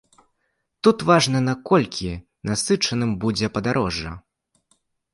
Тут важна, наколькі насычаным будзе падарожжа.